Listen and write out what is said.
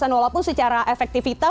walaupun secara efektifnya